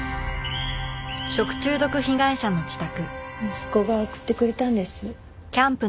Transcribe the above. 息子が送ってくれたんです。